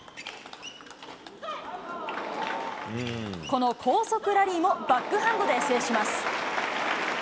この高速ラリーもバックハンドで制します。